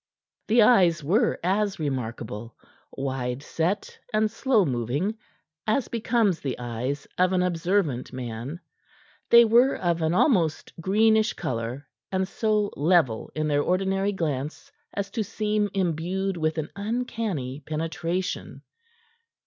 The eyes were as remarkable; wide set and slow moving, as becomes the eyes of an observant man, they were of an almost greenish color, and so level in their ordinary glance as to seem imbued with an uncanny penetration.